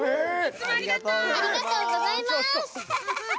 ありがとうございます。